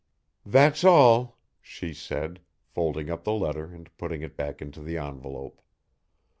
"That's all," she said, folding up the letter and putting it back into the envelope.